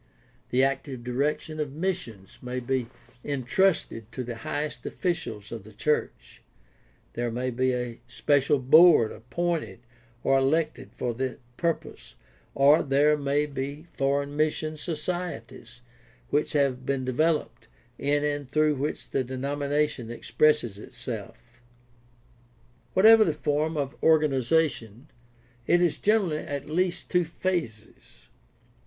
The active direc tion of missions may be intrusted to the highest officials of the PKACTICAL THEOLOGY 633 church, there may be a special board appointed or elected for the purpose, or there may be foreign mission societies which have been developed, in and through which the denomination expresses itself. Whatever the form of organization, it has generally at least two phases.